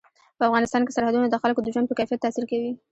په افغانستان کې سرحدونه د خلکو د ژوند په کیفیت تاثیر کوي.